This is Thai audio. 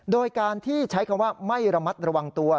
โดยการที่ใช้คำว่าไม่ระมัดระวังตัว